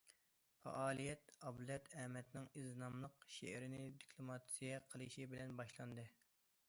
پائالىيەت ئابلەت ئەمەتنىڭ« ئىز» ناملىق شېئىرىنى دېكلاماتسىيە قىلىشى بىلەن باشلاندى.